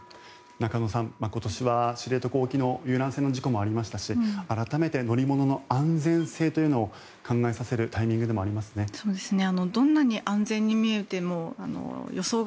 中野さん、今年は知床沖の遊覧船の事故もありましたし改めて乗り物の安全性というのを考えさせるタイミングでもありますね。